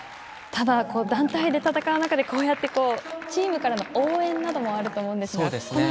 ただ、団体で戦う中でこうやってチームからの応援もあると思いますが。